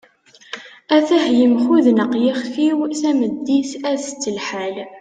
at-ah yemxudneq yixef-iw, tameddit ad tett lḥal